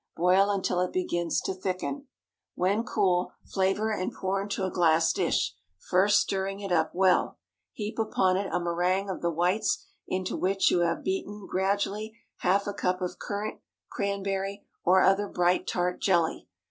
Boil until it begins to thicken. When cool, flavor and pour into a glass dish, first stirring it up well. Heap upon it a méringue of the whites into which you have beaten, gradually, half a cup of currant, cranberry, or other bright tart jelly.